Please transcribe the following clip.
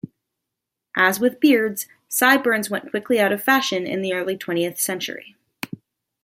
As with beards, sideburns went quickly out of fashion in the early twentieth century.